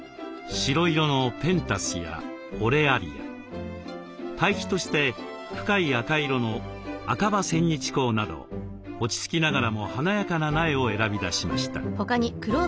白色のペンタスやオレアリア対比として深い赤色の赤葉センニチコウなど落ち着きながらも華やかな苗を選び出しました。